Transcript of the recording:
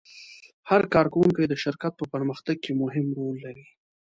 هر کارکوونکی د شرکت په پرمختګ کې مهم رول لري.